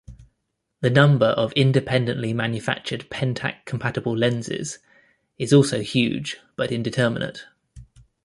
The number of independently manufactured Pentax-compatible lenses is also huge, but indeterminate.